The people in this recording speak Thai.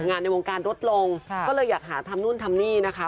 พ่อบาทหยุดธุรกิจอะไรทุกอย่างละ